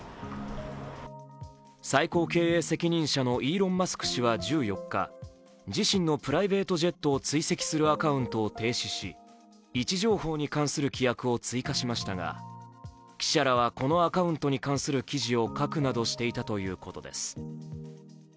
最高経営責任者のイーロン・マスク氏は１４日、自身のプライベートジェットを追跡するアカウントを停止し、位置情報に関する規約を追加しましたが記者らはこのアカウントに関する記事を書くなどしていたということです。